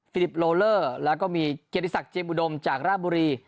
ลิปโลเลอร์แล้วก็มีเกียรติศักดิเจมอุดมจากราบบุรี